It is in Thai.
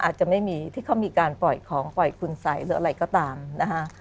อาจจะไม่มีที่เขามีการปล่อยของปล่อยคุณสัยหรืออะไรก็ตามนะคะ